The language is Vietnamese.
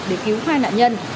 để cứu hai nạn nhân